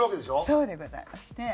そうでございますね。